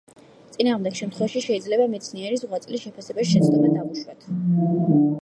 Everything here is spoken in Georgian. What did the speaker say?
წინააღმდეგ შემთხვევაში შეიძლება მეცნიერის ღვაწლის შეფასებაში შეცდომა დავუშვათ.